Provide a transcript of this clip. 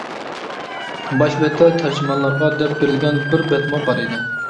باش بەتتە «تەرجىمانلارغا» دەپ بېرىلگەن بىر بەتمۇ بار ئىدى.